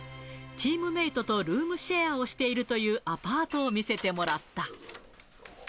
チームメートとルームシェアをしているというアパートを見せてもらった。